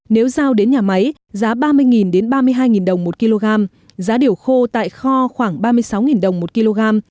nếu giao đến nhà máy giá ba mươi ba mươi hai đồng một kg giá điều khô tại kho khoảng ba mươi sáu đồng một kg